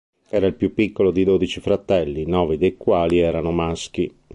Era il più piccolo di dodici fratelli, nove dei quali erano maschi.